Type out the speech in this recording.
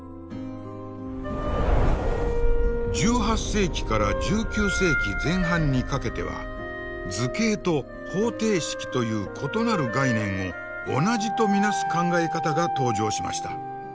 １８世紀から１９世紀前半にかけては図形と方程式という異なる概念を同じと見なす考え方が登場しました。